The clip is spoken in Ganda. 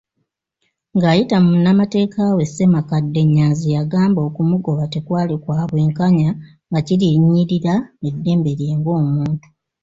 Ng'ayita mu munnamateeka we, Ssemakadde, Nnyanzi yagamba okumugoba tekwali kwabwenkanya nga kirinnyirira eddembe lye ng'omuntu.